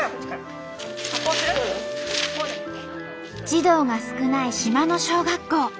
児童が少ない島の小学校。